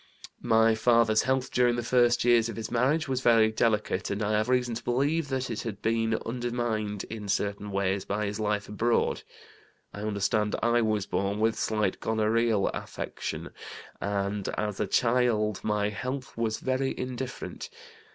"My father's health during the first years of his marriage was very delicate, and I have reason to believe that it had been undermined in certain ways by his life abroad. I understand I was born with slight gonorrheal affection, and as a child my health was very indifferent.